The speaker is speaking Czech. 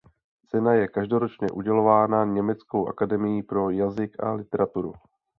Cena je každoročně udělována Německou akademií pro jazyk a literaturu.